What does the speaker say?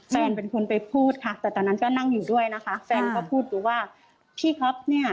แฟนเป็นคนไปพูดค่ะแต่ตอนนั้นก็นั่งอยู่ด้วยนะคะแฟนก็พูดอยู่ว่าพี่ก๊อฟเนี่ย